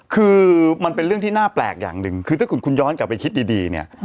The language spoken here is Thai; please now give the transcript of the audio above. คือมันเป็นเรื่องที่น่าแปลกอย่างหนึ่งคือถ้าคุณย้อนกลับไปคิดดีเนี่ย